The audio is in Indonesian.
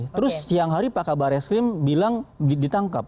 terus siang hari pak kabar eskrim bilang ditangkap